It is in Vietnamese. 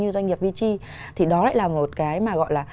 như doanh nghiệp vt thì đó lại là một cái mà gọi là